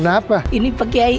dan subscribe ya